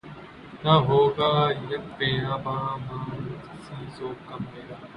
نہ ہوگا یک بیاباں ماندگی سے ذوق کم میرا